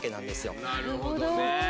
なるほどね。